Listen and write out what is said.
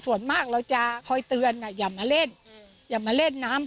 ส่วนมากเราจะคอยเตือนอย่ามาเล่นอย่ามาเล่นน้ำ